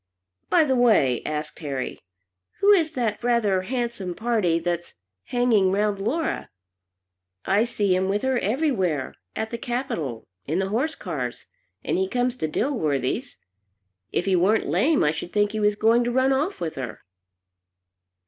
"By the way," asked Harry, "who is that rather handsome party that's hanging 'round Laura? I see him with her everywhere, at the Capitol, in the horse cars, and he comes to Dilworthy's. If he weren't lame, I should think he was going to run off with her."